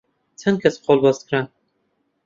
چەند کەس قۆڵبەست کران